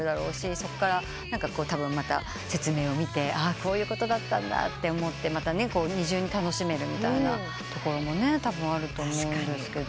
そっから説明を見てこういうことだったんだって思ってまた二重に楽しめるところもたぶんあると思うんですけど。